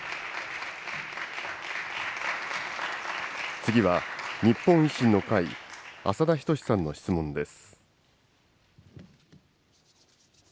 次は日本維新の会、浅田均さんの質問です。